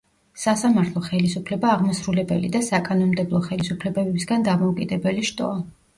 სასამართლო ხელისუფლება აღმასრულებელი და საკანონმდებლო ხელისუფლებებისგან დამოუკიდებელი შტოა.